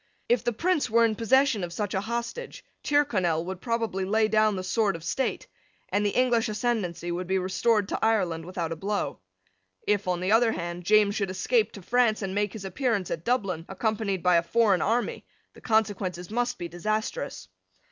If the Prince were in possession of such a hostage, Tyrconnel would probably lay down the sword of state; and the English ascendency would be restored to Ireland without a blow. If, on the other hand, James should escape to France and make his appearance at Dublin, accompanied by a foreign army, the consequences must be disastrous.